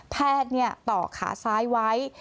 แพทย์ต่อขาซ้ายไว้